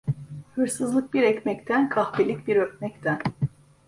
Hırsızlık bir ekmekten, kahpelik bir öpmekten.